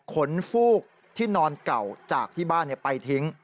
ฟูกที่นอนเก่าจากที่บ้านไปทิ้ง